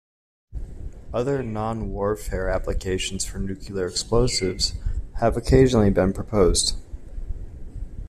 Other, non-warfare, applications for nuclear explosives have occasionally been proposed.